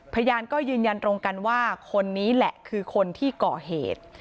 พยานก็ยืนยันตรงกันว่าคนนี้แหละคือคนที่ก่อเหตุ